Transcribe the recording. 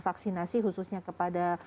vaksinasi khususnya kepada